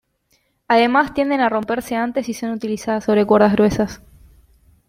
Además tienden a romperse antes si son utilizadas sobre cuerdas gruesas.